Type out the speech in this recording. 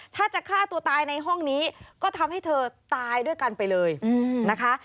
ถ้าจะฆ่าตัวตายในห้องนี้ก็ทำให้เธอตายด้วยกันไปเลยนะคะ